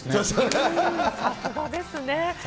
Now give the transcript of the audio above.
さすがですね。